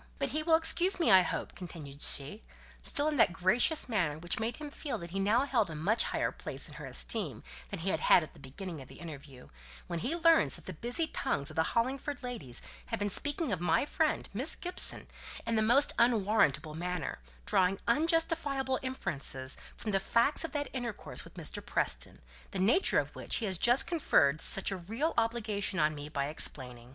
"But he will excuse me, I hope," continued she, still in that gracious manner which made him feel that he now held a much higher place in her esteem than he had had at the beginning of their interview, "when he learns that the busy tongues of the Hollingford ladies have been speaking of my friend, Miss Gibson, in the most unwarrantable manner; drawing unjustifiable inferences from the facts of that intercourse with Mr. Preston, the nature of which he has just conferred such a real obligation on me by explaining."